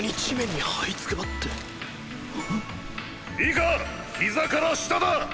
いいかヒザから下だ！